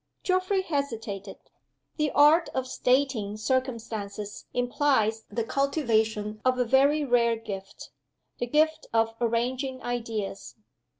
Geoffrey hesitated. The art of stating circumstances implies the cultivation of a very rare gift the gift of arranging ideas.